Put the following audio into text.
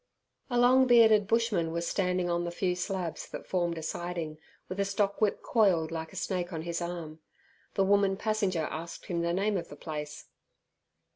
A long bearded bushman was standing on the few slabs that formed a siding, with a stockwhip coiled like a snake on his arm. The woman passenger asked him the name of the place.